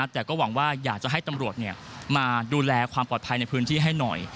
แต่ก็หวังว่าอยากจะให้ตำรวจมาดูแลความปลอดภัยในพื้นที่ให้หน่อย